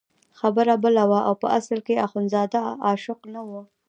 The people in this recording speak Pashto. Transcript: خبره بله وه او په اصل کې اخندزاده عاشق نه وو.